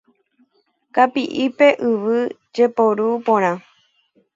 Kapi'ipe yvy jeporu porã.